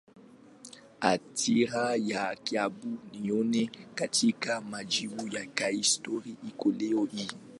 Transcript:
Athira ya Kiarabu huonekana katika majengo ya kihistoria hadi leo hii.